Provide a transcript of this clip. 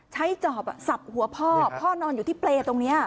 จอบสับหัวพ่อพ่อนอนอยู่ที่เปรย์ตรงนี้